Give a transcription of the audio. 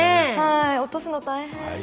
落とすの大変。